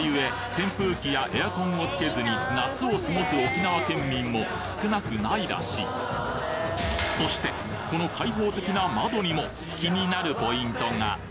扇風機やエアコンをつけずに夏を過ごす沖縄県民も少なくないらしいそしてこの開放的な窓にも気になるポイントが！